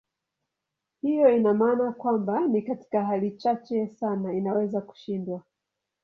Hiyo ina maana kwamba ni katika hali chache sana inaweza kushindwa.